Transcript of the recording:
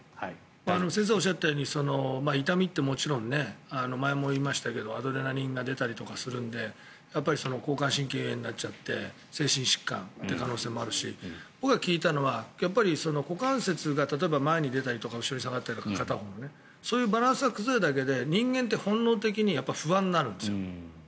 先生がおっしゃったように痛みってもちろん前も言いましたがアドレナリンが出たりとかするので交感神経優位になっちゃって精神疾患という可能性もあるし僕が聞いたのは股関節が例えば、前に出たりとか後ろに下がったりとか片方のとかそういうバランスが崩れるだけで人間って本能的に不安になるんですよ。